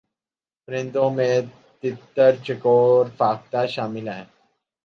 پرندوں میں تیتر چکور فاختہ شامل ہیں